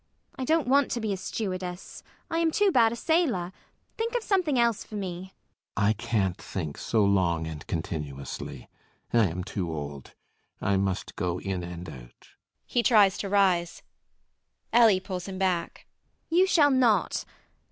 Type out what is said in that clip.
I don't want to be a stewardess: I am too bad a sailor. Think of something else for me. CAPTAIN SHOTOVER. I can't think so long and continuously. I am too old. I must go in and out. [He tries to rise]. ELLIE [pulling him back]. You shall not.